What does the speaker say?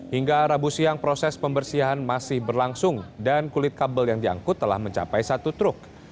hingga rabu siang proses pembersihan masih berlangsung dan kulit kabel yang diangkut telah mencapai satu truk